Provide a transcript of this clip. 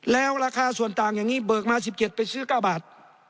แล้วราคาส่วนต่างเปลืองมา๑๗ไปซื้อ๙บาท